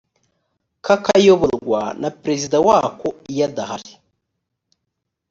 kakayoborwa na perezida wako iyo adahari